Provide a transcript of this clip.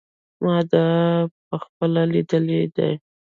ما دا په خپله لیدلی دی.